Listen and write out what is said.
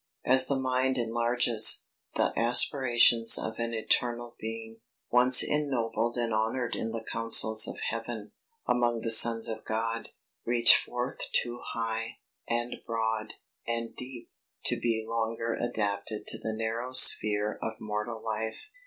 As the mind enlarges, the aspirations of an eternal being, once ennobled and honoured in the councils of heaven, among the sons of God, reach forth too high, and broad, and deep, to be longer adapted to the narrow sphere of mortal life.